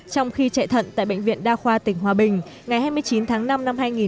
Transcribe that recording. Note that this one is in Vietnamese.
trong khi chạy thận tại bệnh viện đa khoa tỉnh hòa bình ngày hai mươi chín tháng năm năm hai nghìn một mươi chín